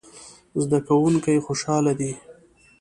زده کوونکي خوشحاله دي